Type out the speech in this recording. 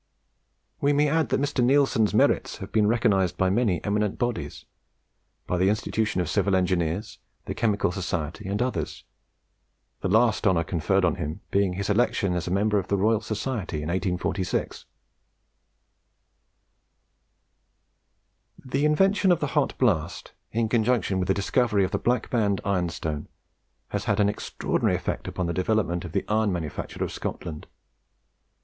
We may add that Mr. Neilson's merits have been recognised by many eminent bodies by the Institution of Civil Engineers, the Chemical Society, and others the last honour conferred on him being his election as a Member of the Royal Society in 1846. The invention of the hot blast, in conjunction with the discovery of the Black Band ironstone, has had an extra ordinary effect upon the development of the iron manufacture of Scotland.